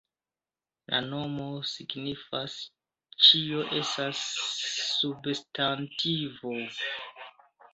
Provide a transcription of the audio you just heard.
La nomo signifas "Ĉio estas substantivo".